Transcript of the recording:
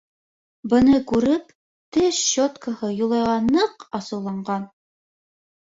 Быны күреп, теш Щеткаһы Юлайға ныҡ асыуланған.